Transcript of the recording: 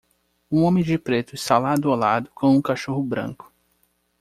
Um homem de preto está lado a lado com um cachorro branco.